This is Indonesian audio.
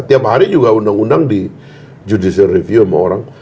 tiap hari juga undang undang di judicial review sama orang